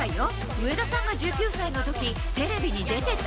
上田さんが１９歳のとき、テレビに出てた？